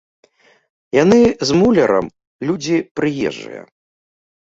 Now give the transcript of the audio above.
Яны з мулярам людзі прыезджыя.